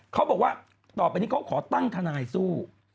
เขาบอกว่าต่อไปนี้เขาขอตั้งทนายสู้